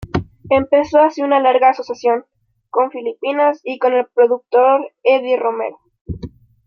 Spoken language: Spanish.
Empezó así una larga asociación con Filipinas y con el productor Eddie Romero.